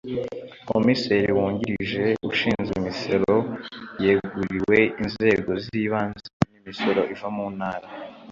Komiseri wungirije ushinzwe imisoro yeguriwe inzego z’ibanze n’imisoro iva mu Ntara